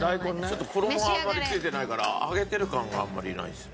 ちょっと衣があんまりついてないから揚げてる感があんまりないですね。